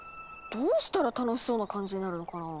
どうしたら楽しそうな感じになるのかな？